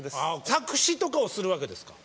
作詞とかをするわけですか？